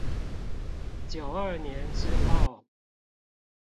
九二年之後